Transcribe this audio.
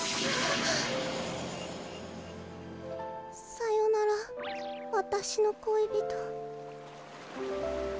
さよならわたしの恋人。